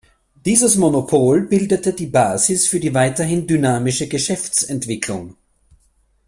Dieses Monopol bildete die Basis für die weiterhin dynamische Geschäftsentwicklung.